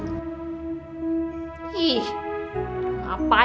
kalo bukan eneng yang ngejemput